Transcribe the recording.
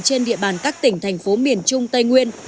trên địa bàn các tỉnh thành phố miền trung tây nguyên